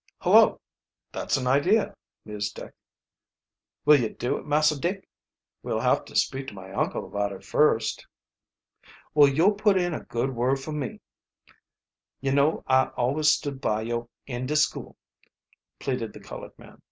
"Hullo, that's an idea!" mused Dick. "Will yo' do it, Massah Dick?" "We'll have to speak to my uncle about it first." "Well, yo' put in a good word fo' me. Yo know I always stood by yo' in de school," pleaded the colored man.